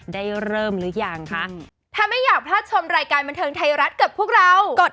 ได้เริ่มหรือยังคะ